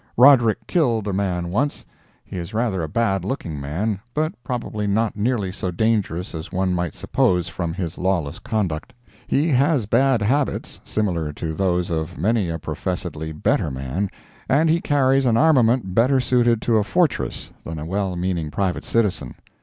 Roderick killed a man once. He is rather a bad looking man, but probably not nearly so dangerous as one might suppose from his lawless conduct. He has bad habits, similar to those of many a professedly better man, and he carries an armament better suited to a fortress than a well meaning private citizen.